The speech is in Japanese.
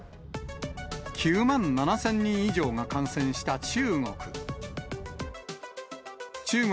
９万７０００人以上が感染した中国。